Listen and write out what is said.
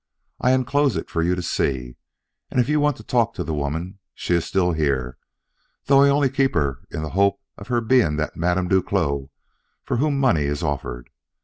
I enclose it for you to see; and if you want to talk to the woman, she is still here, though I only keep her in the hope of her being that Madame Duclos for whom money is offered.